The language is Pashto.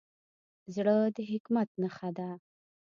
زړه د حکمت نښه ده.